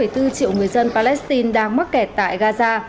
một bốn triệu người dân palestine đang mắc kẹt tại gaza